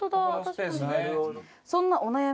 確かに。